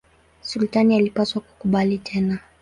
Sultani alipaswa kukubali tena.